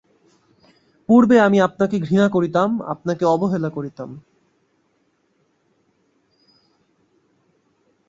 পূর্বে আমি আপনাকে ঘৃণা করিতাম, আপনাকে অবহেলা করিতাম।